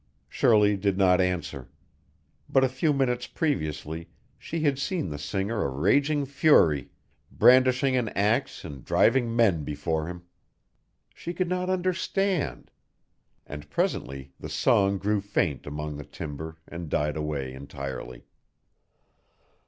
Shirley did not answer. But a few minutes previously she had seen the singer a raging fury, brandishing an axe and driving men before him. She could not understand. And presently the song grew faint among the timber and died away entirely.